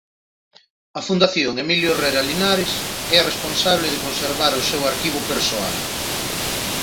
A Fundación Emilio Herrera Linares é a responsable de conservar o seu arquivo persoal.